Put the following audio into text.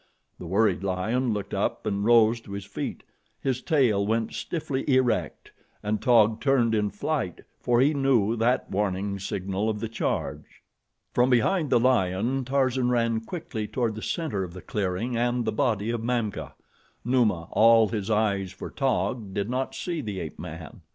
The worried lion looked up and rose to his feet. His tail went stiffly erect and Taug turned in flight, for he knew that warming signal of the charge. From behind the lion, Tarzan ran quickly toward the center of the clearing and the body of Mamka. Numa, all his eyes for Taug, did not see the ape man.